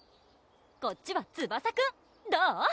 こっちはツバサくんどう？